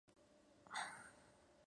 John Call interpretó a Santa Claus.